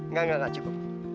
nggak nggak cukup